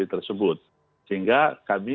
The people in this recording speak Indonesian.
tersebut sehingga kami